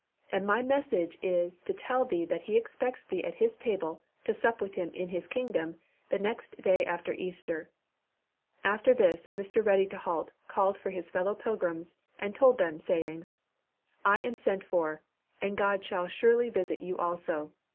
And my message is to tell thee that He expects thee at His table to sup with Him in His kingdom the next day after Easter." After this Mr. Ready to halt called for his fellow pilgrims and told them, saying, "I am sent for, and God shall surely visit you also.